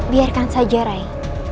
biarkan saja ray